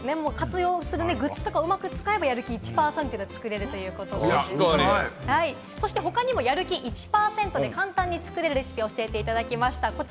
グッズなどうまく使えば、やる気１％でも作れるということで、他にもやる気１％で簡単に作れるレシピを教えてもらいました。